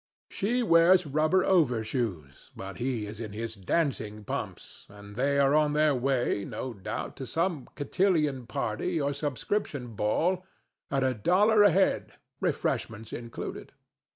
She wears rubber overshoes, but he is in his dancing pumps, and they are on their way no doubt, to some cotillon party or subscription ball at a dollar a head, refreshments included.